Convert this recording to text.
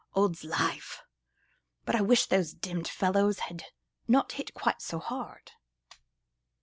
"Odd's life! but I wish those demmed fellows had not hit quite so hard!"